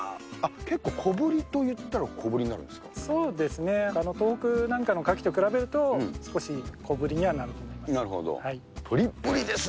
結構小ぶりといったそうですね、東北なんかのカキと比べると、少し小ぶりにはなると思います。